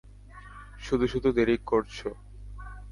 শুধু শুধু দেরী করছো।